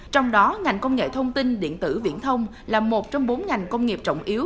trong đó ngành công nghệ thông tin điện tử viễn thông là một trong bốn ngành công nghiệp trọng yếu